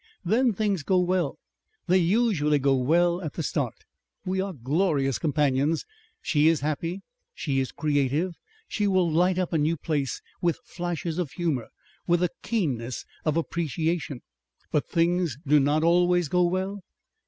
Then things go well they usually go well at the start we are glorious companions. She is happy, she is creative, she will light up a new place with flashes of humour, with a keenness of appreciation...." "But things do not always go well?"